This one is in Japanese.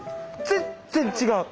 全然違う！